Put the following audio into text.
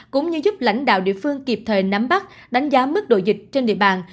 cũng như giúp lãnh đạo địa phương kịp thời nắm bắt đánh giá mức độ dịch trên địa bàn